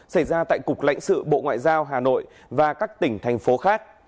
xảy ra tại cục lãnh sự bộ ngoại giao hà nội và các tỉnh thành phố khác